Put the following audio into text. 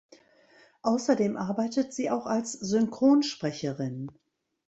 Außerdem arbeitet sie auch als Synchronsprecherin.